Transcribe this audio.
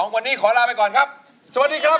วันนี้ขอลาไปก่อนครับสวัสดีครับ